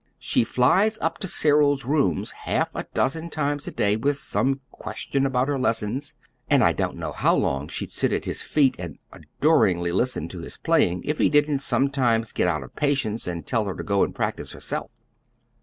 She flies up to Cyril's rooms half a dozen times a day with some question about her lessons; and I don't know how long she'd sit at his feet and adoringly listen to his playing if he didn't sometimes get out of patience and tell her to go and practise herself.